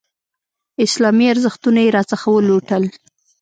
اسلامي ارزښتونه یې راڅخه ولوټل.